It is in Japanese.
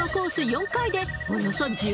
４回でおよそ１２万円